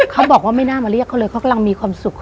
เขาบอกว่าไม่น่ามาเรียกเขาเลยเขากำลังมีความสุข